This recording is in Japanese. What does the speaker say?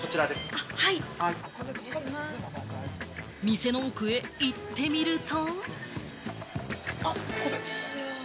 店の奥へ行ってみると。